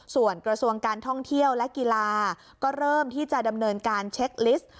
ส่วนกระทรวงการท่องเที่ยวและกีฬาก็เริ่มที่จะดำเนินการเช็คลิสต์